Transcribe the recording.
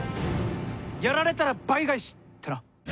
やられたら倍返しってな。